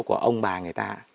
của ông bà người ta